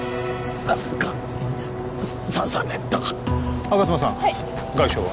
何か刺された吾妻さん外傷は？